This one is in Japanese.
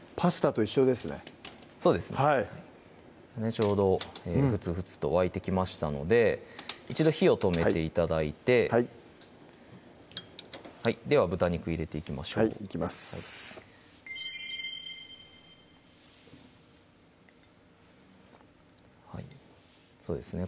ちょうど沸々と沸いてきましたので一度火を止めて頂いてはいでは豚肉入れていきましょうはいいきますそうですね